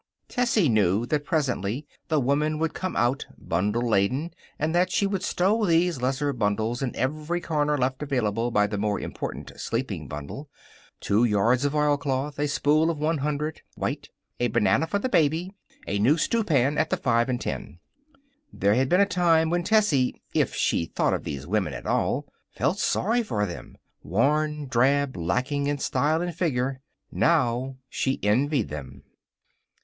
Tessie knew that presently the woman would come out, bundle laden, and that she would stow these lesser bundles in every corner left available by the more important sleeping bundle two yards of oilcloth; a spool of 100, white; a banana for the baby; a new stewpan at the five and ten. There had been a time when Tessie, if she thought of these women at all, felt sorry for them worn, drab, lacking in style and figure. Now she envied them.